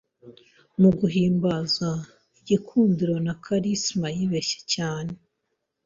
muguhimbaza igikundiro na charisma yibeshye cyane